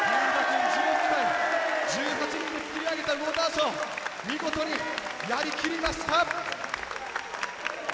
１８人で作り上げたウォーターショーを見事にやりきりました！